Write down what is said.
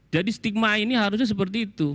jadi stigma ini harusnya seperti itu